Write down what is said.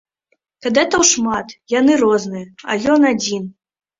Кадэтаў шмат, яны розныя, а ён адзін.